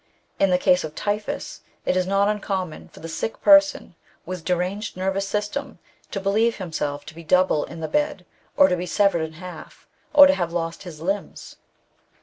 In the case of typhus, it is not uncommon for the sick person, with deranged nervous system, to believe himself to be double in the bed, or to be severed in half, or to have lost his limbs. 10 146 THE BOOK OF WERE WOLVES.